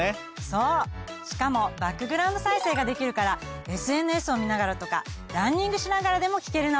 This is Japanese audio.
しかもバックグラウンド再生ができるからＳＮＳを見ながらとかランニングしながらでも聞けるの。